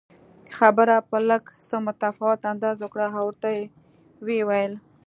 خبره په لږ څه متفاوت انداز وکړه او ورته ویې ویل